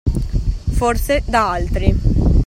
Forse, da altri.